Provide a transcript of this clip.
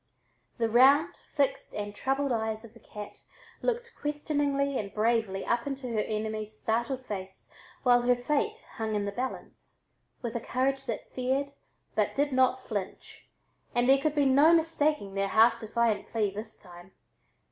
The round, fixed and troubled eyes of the cat looked questioningly and bravely up into her enemy's startled face while her fate hung in the balance, with a courage that feared but did not flinch, and there could be no mistaking their half defiant plea this time.